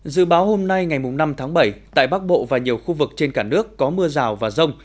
dự báo hôm nay ngày năm tháng bảy tại bắc bộ và nhiều khu vực trên cả nước có mưa rào và rông